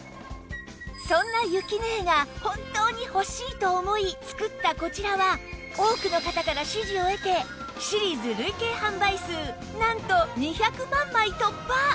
そんなゆきねえが本当に欲しいと思い作ったこちらは多くの方から支持を得てシリーズ累計販売数なんと２００万枚突破！